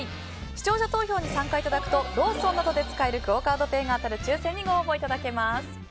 視聴者投票に参加いただくとローソンなどで使えるクオ・カードペイが当たる抽選にご応募いただけます。